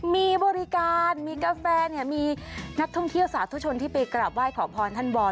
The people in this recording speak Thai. มีบริการมีกาแฟมีนักท่องเที่ยวสาธุชนที่ไปกราบไหว้ขอพรท่านบอล